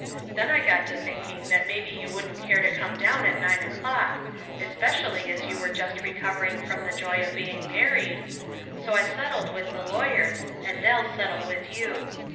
Then I got to thinking that maybe you wouldn't care to come down at nine o'clock, especially as you are just recovering from the joy of being married, so I settled with the lawyers and they'll settle with you.